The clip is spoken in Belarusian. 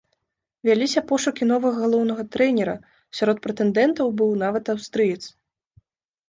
Вяліся пошукі новага галоўнага трэнера, сярод прэтэндэнтаў быў нават аўстрыец.